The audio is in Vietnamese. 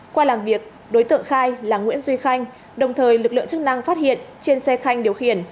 qua làm việc đối tượng khai là nguyễn duy khanh đồng thời lực lượng chức năng phát hiện trên xe khanh điều khiển